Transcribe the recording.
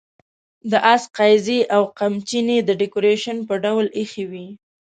د آس قیضې او قمچینې د ډیکوریشن په ډول اېښې وې.